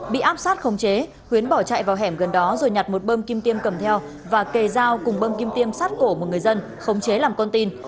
bị áp sát khống chế huyến bỏ chạy vào hẻm gần đó rồi nhặt một bơm kim tiêm cầm theo và kề dao cùng bơm kim tiêm sát cổ một người dân khống chế làm con tin